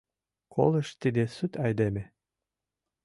Колыш тиде сут айдеме.